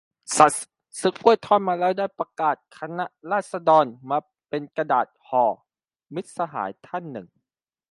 "สัส ซื้อกล้วยทอดแล้วได้ประกาศคณะราษฎรมาเป็นกระดาษห่อ" - มิตรสหายท่านหนึ่ง